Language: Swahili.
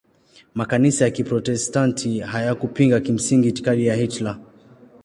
Makanisa ya Kiprotestanti hayakupinga kimsingi itikadi ya Hitler.